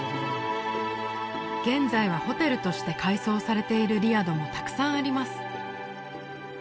現在はホテルとして改装されているリアドもたくさんあります